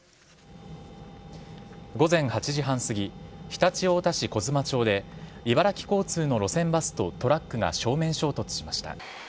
午前８時半すぎ常陸太田市小妻町で茨城交通の路線バスとトラックが正面衝突しました。